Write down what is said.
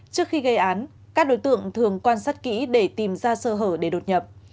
trước khi gây án các đối tượng thường quan sát kỹ để tìm ra sơ hở để đột nhập